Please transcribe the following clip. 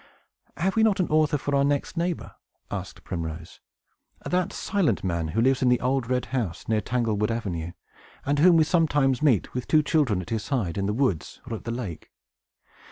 "Have we not an author for our next neighbor?" asked Primrose. "That silent man, who lives in the old red house, near Tanglewood Avenue, and whom we sometimes meet, with two children at his side, in the woods or at the lake.